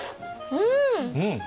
うん！